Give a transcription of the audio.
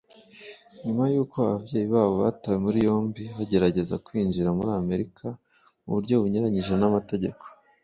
nyuma y’uko ababyeyi babo batawe muri yombi bagerageza kwinjira muri Amerika mu buryo bunyuranyije n’amategeko